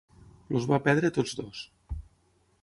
Els va perdre tots dos.